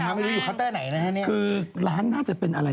ใช่เขายืนอยู่หน้าร้านเลย